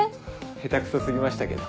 下手くそ過ぎましたけど。